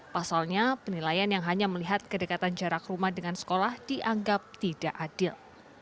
pasalnya penilaian yang hanya melihat kedekatan jarak rumah dengan sekolah dianggap tidak adil